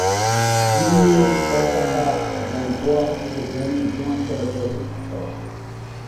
দিল্লী, কলকাতা এবং গুয়াহাটিতে দৈনিক বিমান চলাচল কর।